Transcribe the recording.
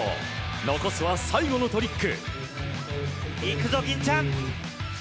残すは最後のトリック。